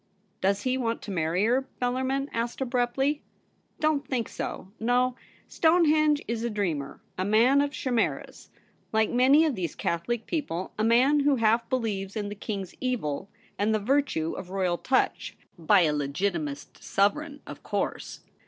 ' Does he want to marry her ?' Bellarmin asked abruptly. * Don't think so ; no, Stonehenge is a dreamer, a man of chimeras ; like many of these Catholic people, a man who half believes in the King's Evil and the virtue of royal touch — by a Legitimist Sovereign, of course.